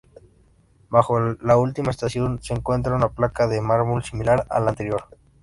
Bajo la última estación se encuentra una placa de mármol similar a la anterior.